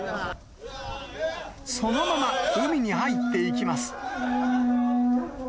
そのまま海に入っていきます。